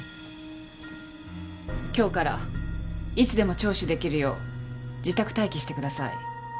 今日からいつでも聴取出来るよう自宅待機してください。